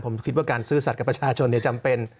ผมคิดว่าการซื่อสัตว์ประชาชนจำเป็น